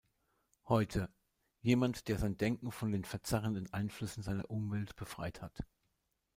Heute: Jemand, der sein Denken von den verzerrenden Einflüssen seiner Umwelt befreit hat.